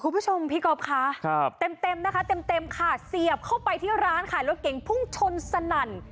พี่ก็พค่ะเต็มนะคะเต็มค่ะเสียบเข้าไปที่ร้านขายรถเก๋งพุ่งชนสนั่น